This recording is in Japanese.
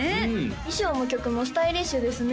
衣装も曲もスタイリッシュですね